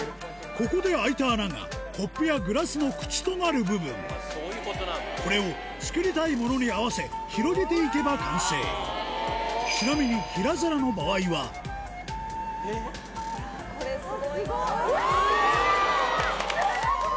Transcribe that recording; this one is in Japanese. ここで開いた穴がコップやグラスの口となる部分これを作りたいものに合わせ広げていけば完成ちなみに平皿の場合はスゴいうわぁ！